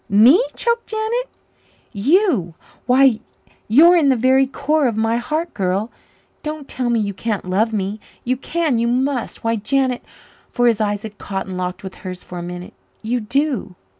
Me!" choked Janet. "You. Why, you're in the very core of my heart, girl. Don't tell me you can't love me you can you must why, Janet," for his eyes had caught and locked with hers for a minute, "you do!"